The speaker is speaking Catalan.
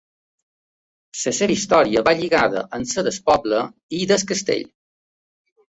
La seva història va lligada amb la del poble i del castell.